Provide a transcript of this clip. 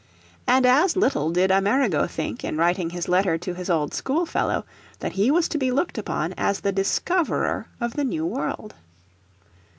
And as little did Amerigo think in writing his letter to his old school fellow that he was to be looked upon as the discoverer of the New World.